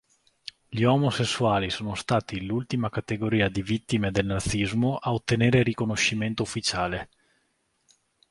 Gli omosessuali sono stati l'ultima categoria di vittime del nazismo a ottenere riconoscimento ufficiale.